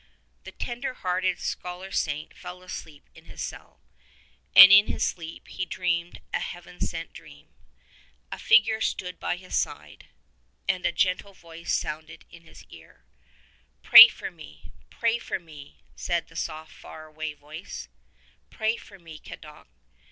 The tender hearted Scholar Saint fell asleep in his cell, and in his sleep he dreamed a Heaven sent dream. A figure stood by his side, and a gentle voice sounded in his ear. "Fmy for me, pray for me," said the soft, far away voice; '^pray for me, Cadoc!